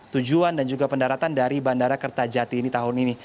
tujuan dan juga pendaratan dari bandara kertajati ini tahun ini